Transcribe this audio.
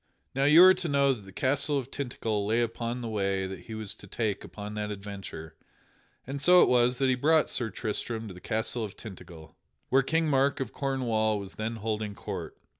Now you are to know that the castle of Tintagel lay upon the way that he was to take upon that adventure, and so it was that he brought Sir Tristram to the castle of Tintagel, where King Mark of Cornwall was then holding court.